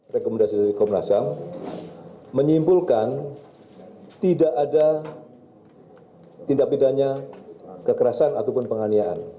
rekomendasi dari komnas ham menyimpulkan tidak ada tindak pidana kekerasan ataupun penganiayaan